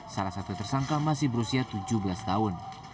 salah satu tersangka masih berusia tujuh belas tahun